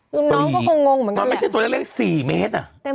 น้องน้องก็คงงงเหมือนกันแหละมันไม่ใช่ตัวเลี้ยงเลี้ยง๔เมตรอ่ะ